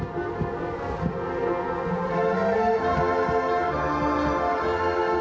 สวัสดีครับ